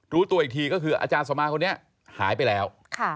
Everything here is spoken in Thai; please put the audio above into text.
รู้ตัวอีกทีก็คืออาจารย์สมาคนนี้หายไปแล้ว